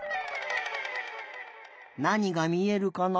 なにがみえるかな？